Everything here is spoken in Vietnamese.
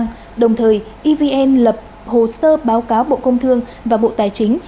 khi giá điện được phép điều chỉnh tăng đồng thời evn lập hồ sơ báo cáo bộ công thương và bộ tài chính